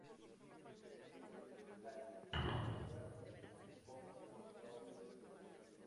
Este edificio se encuentra en la actualidad en un óptimo estado de conservación.